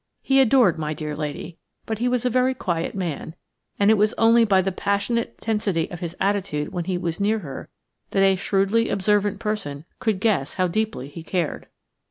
He adored my dear lady, but he was a very quiet man, and it was only by the passionate tensity of his attitude when he was near her that a shrewdly observant person could guess how deeply he cared.